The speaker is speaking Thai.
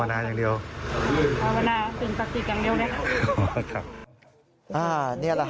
ธรรมนาอย่างเดียวธรรมนาอย่างเดียวเลยครับ